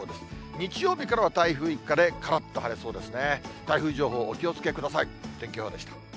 日曜日からは台風一過で、からっと晴れそうですね。